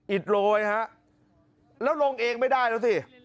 อิดโรยฮะแล้วลงเองไม่ได้แล้วสิ